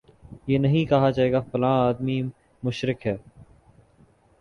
یہ نہیں کہا جائے گا فلاں آدمی مشرک ہے